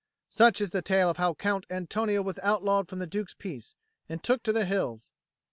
Such is the tale of how Count Antonio was outlawed from the Duke's peace and took to the hills.